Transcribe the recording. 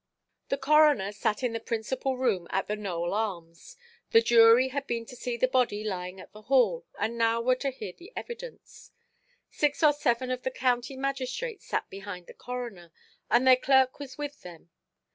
The coroner sat in the principal room at the "Nowell Arms"; the jury had been to see the body lying at the Hall, and now were to hear the evidence. Six or seven of the county magistrates sat behind the coroner, and their clerk was with them.